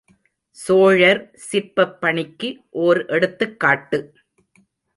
சோழர் சிற்பப் பணிக்கு ஓர் எடுத்துக்காட்டு.